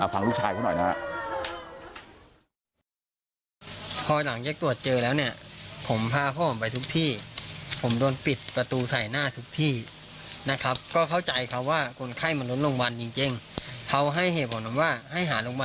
ฟังลูกชายเขาหน่อยนะครับ